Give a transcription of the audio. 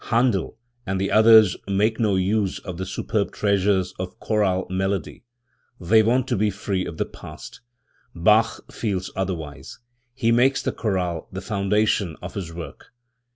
Handel and the others make no use of the superb treasures of chorale melody. They want to be free of the past. Bach feels otherwise; he makes the chorale the foundation of his work.